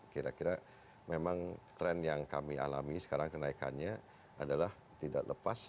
kira kira memang tren yang kami alami sekarang kenaikannya adalah tidak lepas